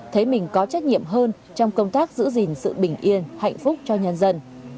thấy mình có trách nhiệm hơn trong công tác giữ gìn sự bình yên hạnh phúc cho nhân dân